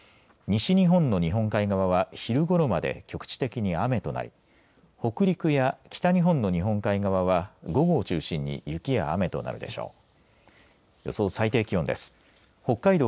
西日本の日本海側は昼ごろまで局地的に雨となり北陸や北日本の日本海側は午後を中心に雪や雨となるでしょう。